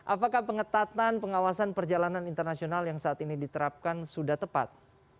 apakah pengetatan pengawasan perjalanan internasional yang saat ini diterapkan sudah tepat